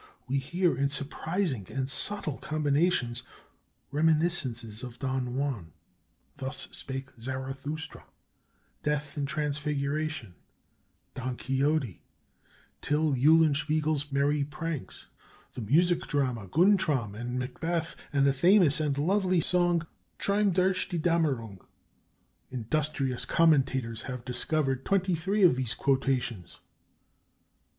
We hear, in surprising and subtle combinations, reminiscences of "Don Juan," "Thus Spake Zarathustra," "Death and Transfiguration," "Don Quixote," "Till Eulenspiegel's Merry Pranks," the music drama "Guntram," "Macbeth," and the famous and lovely song, Traum durch die Dämmerung. Industrious commentators have discovered twenty three of these quotations.